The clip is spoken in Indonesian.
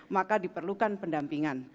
maka diperlukan pendampingan